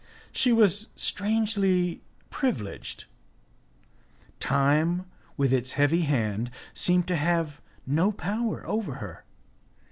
She was strangely privileged; time with its heavy hand seemed to have no power over her.